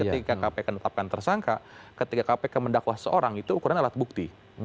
ketika kpk tetapkan tersangka ketika kpk mendakwa seorang itu ukuran alat bukti